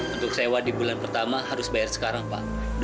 untuk sewa di bulan pertama harus bayar sekarang pak